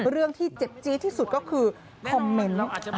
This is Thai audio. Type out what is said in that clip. เรื่องที่เจ็บจี๊ดที่สุดก็คือคอมเมนต์